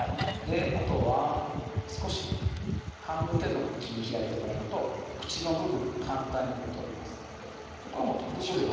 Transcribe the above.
あとは少し半分程度まで切り開いてもらうと口の部分が簡単に取れますのでここは取ってしまいます